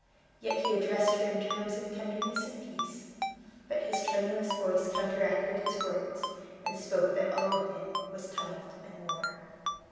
Yet he addressed her in terms of tenderness and peace; but his tremulous voice counteracted his words, and spoke that all within was tumult and war!